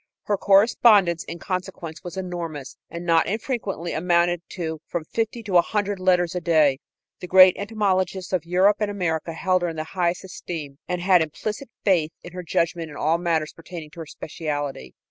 Her correspondence, in consequence, was enormous, and not infrequently amounted to from fifty to a hundred letters a day. The great entomologists of Europe and America held her in the highest esteem, and had implicit faith in her judgment in all matters pertaining to her specialty.